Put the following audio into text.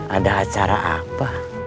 ada acara apa